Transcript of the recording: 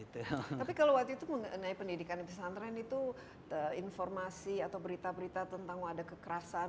tapi kalau waktu itu mengenai pendidikan santri itu informasi atau berita berita tentang kekerasan